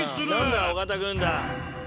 何だ尾形軍団。